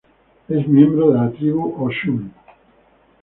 Es miembro de la tribu Ho-Chunk.